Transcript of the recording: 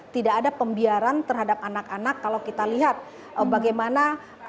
tidak ada pembiaran terhadap anak anak kalau kita lihat bagaimana beberapa anak yang menjadi korban kekerasan